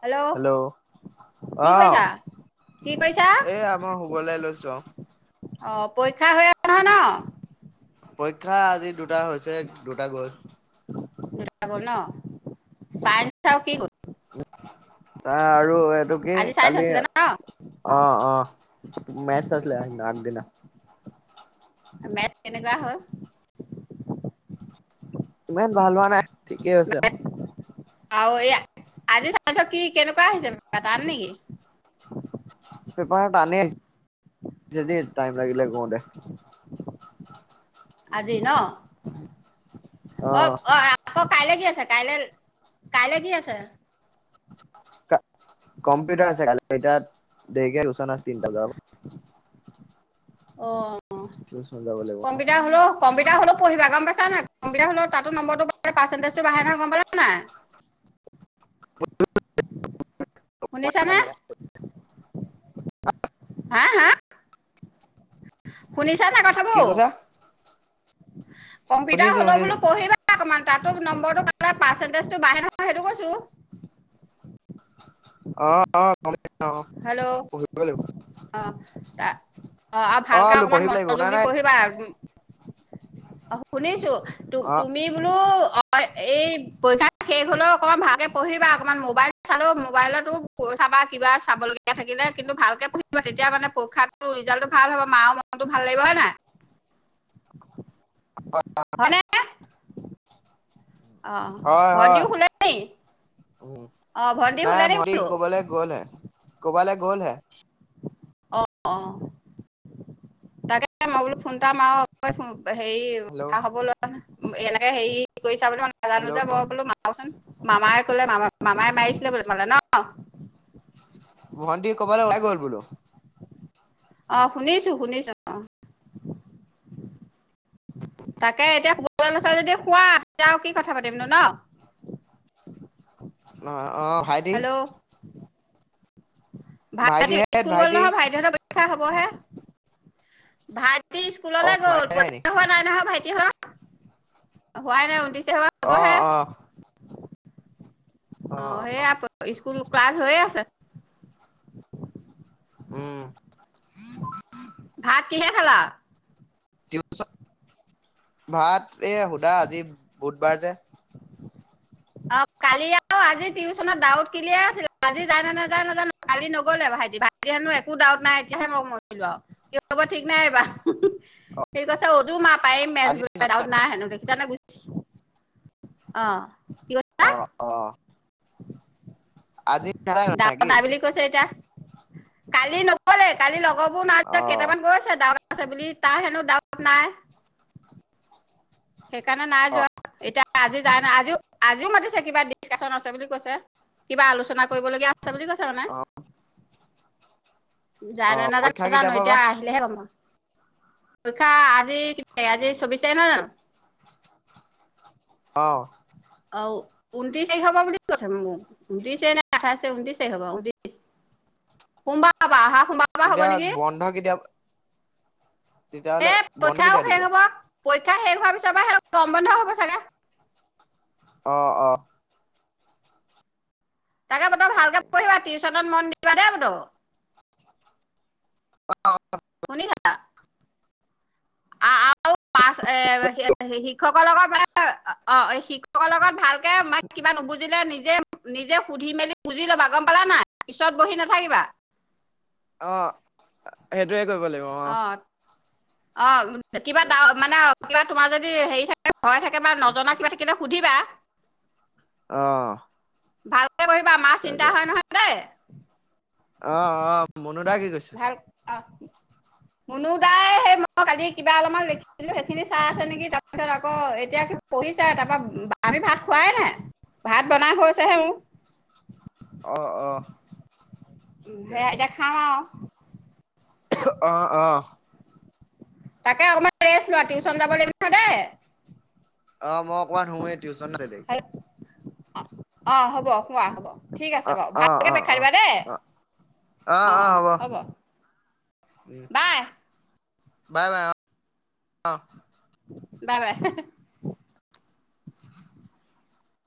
Hello কি অ', কৈছা কি কৈছা? এইয়া মই শুবলৈ লৈছো আৰু অ', পৰীক্ষা হৈ আছে নহয় ন'। পৰীক্ষা আজি দুটা হৈছেহে দুটা গল। দুটা গল ন' চাইন্স আৰু কি গল? নাই আৰু এইটো কি আজি চাইন্স কালি আছিলে ন অ', অ', মেতছ আছিলে আগ আগদিনা। মেতছ কেনেকুৱা হ'ল? ইমান ভাল হোৱা নাই, ঠিকেই হৈছে। আৰু এই আজি চাইন্সৰ কি কেনেকুৱা হৈছে, আহিছে টান নেকি? পেপাৰ তানে আহিছে দেই টাইম লাগিলে কওঁতে। আজি ন' অ', অ', আকৌ কাইলৈ কি আছে কাইলৈ কাইলৈ কি আছে? কম্পিউটাৰ আছে, কাইলে এতিয়া দেৰিকে আছে ন তিনটা বজা পা। অ', টিউচন যাব লাগিব। হ'লে কম্পিটাৰ হ'লে পঢ়া গম পাইছ নাই, কম্পিটাৰ হলেওঁ তাতো নম্বৰটো পাৰ্চেণ্টজটো বাহে নহয় গম পালা নাই। শুনিছা নে? হা হা। শুনিছা নাই কি কথাবোৰ, কৈছা কম্পিউটাৰ শুনিছো হলেওঁ শুনিছো বোলো পঢ়িবা। অকণমান তাতো নম্বৰটো পালে, পাৰ্চেণ্টেজটো বাঢ়ে নহয় সেইটো কৈছো। অ অ' হেল্ল' পঢ়িবই লাগিব। অ', ত' অ' আৰু ভালকে বোলো অকমান পঢ়িব লাগিব মনোযোগ শুনা দি নাই পঢ়িবা। অ', শুনিছো তো তুমি, [inaudible] হয়', এই পৰীক্ষা শেষ হ'লেও অকণমান ভালকৈ পঢ়িবা, অকণমান মোবাইল চালেও মোবাইলতো। পইচা বা কিবা চাব লগীয়া থাকলে কিন্তু ভালকে পঢ়িবা তেতিয়া মানে পৰীক্ষাটো ৰিজাল্টটো ভাল হ'ব মাও ম মনটো ভাল লাগিব হয় নাই অ হয়নে অ হয় ভন্টিও হয় শুলে নি উম অ ভন্টি নাই শুলে নি ভন্টি বোলো কবালে গ'লহে কবালে গলহে। অ অ তাকে মই বোলো ফোনটা মাৰো আৰু হেৰি হেল্ল' খা খবৰ লোৱা নাই এনেকে হেৰি কি কৰিছে নাজানো হেল্ল' যে মই বোলো কৰো চোন মামায়ে কলে মামা মামাই মাৰিছিলে বোলে তোমালে ন ভণ্টি কৰবালে ওলাই গল বোলো অ শুনিছো শুনিছো অ তাকে এতিয়া শুব ওলাইছা যদি শুৱা তেতিয়া আও কি কথা পাতিমনো ন অ অ ভাইটি হেল্ল' ভাইটি হেত স্কুল গ'ল ভাইটি নহয় ভাইটিহঁতৰ পৰক্ষা হবহে ভাইটি অ স্কুললৈ গ'ল হোৱাই নাই নি পৰীক্ষা হোৱা নাই নহয় ভাইটি হতৰ হোৱাই নাই ঊনত্ৰিচ তাৰিখৰ পৰা অ অ অ সেয়া স্কুল ক্লাছ হৈ আছে উম ভাত কিহে খালা। টিউচন ভাত এই সোধা আজি বুধবাৰ যে। অ কালি আৰু আজি টিউচনত ডাউট ক্লিয়াৰ আছিল আজি যাই নে নাযায় নাজানো। কালি নগলে ভাইটি ভাইটি হেনো একো ডাউট নাই এতিয়াহে মই মৰিলো আও কি হ'ব ঠিক নাই এইবাৰ [unintelligible] সি কৈছে উজু মা পাৰিম মেটচ আজি বোলে ডাউট নাই হেনো দেখিছানে অ কি ক কৈছা অ [inaudible] আজি ডাউট [unintelligible] নাই বুলি কৈছে এতিয়া, কালি নগলে কালি লগৰ বোৰ নাই যোৱা অ কেইটামান গৈছে ডাউট আছে বুলি তাৰ হেনো ডাউট নাই। সেইকাৰণে নাই যোৱা এতিয়া। আজি যাই নাই, আজিও আজিও মাতিছে কিবা ডিচকাচন আছে বুলি কৈছে কিবা আলোচনা কৰিবলগীয়া আছে বুলি কৈছে মানে [inaudible] যায় অ নে নাযায় পৰীক্ষা নাজানো কেতিয়াৰ পৰা এতিয়া বা আহিলেহে গ'ম, পৰীক্ষা আজি আজি চৌবিছ তাৰিখ নহয় জানো। অ'। অ ঊনত্ৰিশ তাৰিখ পৰা বুলি কৈছে মোক ঊনত্ৰিচ নে আঠাইচে ঊনত্ৰিচ তাৰিখ পৰা ঊনত্ৰিচ। সোমবাৰ পৰা অহা সোমবাৰ পৰা হ'ব তেতিয়া নেকি। বন্ধ কেতিয়া তেতিয়াহলে সেই বন্ধ পৰীক্ষাও কেতিয়া দিব। শেষ হব পৰীক্ষা শেষ হোৱাৰ পিছৰ পৰা সিহঁতৰ গৰ'ম বন্ধ হ'ব চাগে। অ অ তাকে বতৌ ভালকে তাকে পঢ়িবা টিউচনত ম'ন দিবা দেই বতৌ। অ অ শুনিছা [unintelligible] শিক্ষকৰ লগত অ', শিক্ষকৰ লগত ভালকে কিবা নুবুজিলে নিজে নিজে সুধি মেলি বুজি লবা গ'ম পালা নাই, পিছত বহি নাথাকিবা। অ', সেইটোৱে কৰিব লাগিব অ'। অ', কিবা ডাউট মানে কিবা তোমাৰ যদি হেৰি থাকে ভয় থাকে নজনা কিবা থাকিলে সুধিবা। অ'। ভালকে পঢ়িবা মা চিন্তা চিন্তা তাকে হয় নহয় দে। অ', অ', মুনুদায়ে কি কৈছে? ভাল অ', মুনুদায়ে সেই মোক আজি কিবা অলপমান লিখ সেইখিনি চাই আছে নেকি তাৰপিছত আকৌ এতিয়া কি পঢ়িছে তাৰপা আমি ভাত খোৱায় নাই। ভাত বনাই থৈছেহে ও। অ', অ'। সেয়া এতিয়া খাওঁ আৰু। অ', অ'। তাকে অকমান ৰেষ্ট লোৱা টিউচন যাব লাগিব নহয় দে। অ', মই অকনমান শুয়ে টিউচন আছিলে। অ', অ', হ'ব শোৱা হ'ব ঠিক আছে অ', বাৰু অ', ভালকে অ', দেখাই অ'। দিবা দে। অ', অ', হ'ব। বাই বাই বাই অ', অ'। Bye bye.